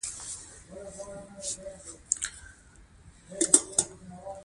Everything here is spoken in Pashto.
ځمکه د افغانستان د موسم د بدلون سبب کېږي.